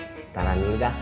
bentaran dulu dah